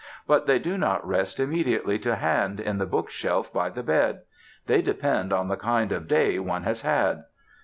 But they do not rest immediately to hand in the book shelf by the bed. They depend on the kind of day one has had.